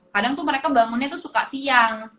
kadang tuh mereka bangunnya tuh suka siang